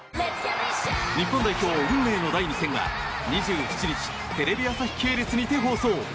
日本代表、運命の第２戦は２７日テレビ朝日系列にて放送。